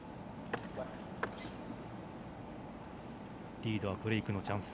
リードはブレークのチャンス。